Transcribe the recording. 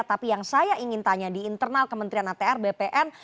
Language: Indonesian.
tapi yang saya ingin tanya di internal kementerian atr bpn